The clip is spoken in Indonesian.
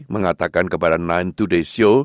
mengatakan kepada nine today show